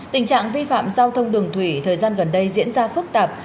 tình trạng vi phạm giao thông đường thủy thời gian gần đây diễn ra phức tạp